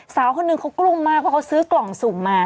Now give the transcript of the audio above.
สาวคนหนึ่งเขากลุ้งมากเพราะเขาซื้อกล่องสุ่มมา